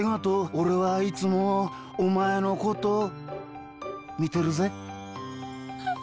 おれはいつもおまえのことみてるぜ。